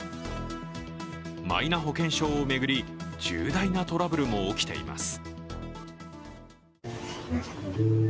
マイナ保険証を巡り重大なトラブルも起きています。